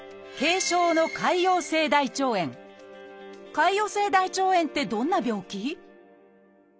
「潰瘍性大腸炎」ってどんな病気？